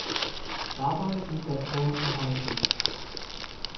Dabei blieb der Turm erhalten.